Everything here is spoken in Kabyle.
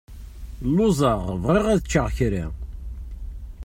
Luẓeɣ, bɣiɣ ad ččeɣ kra.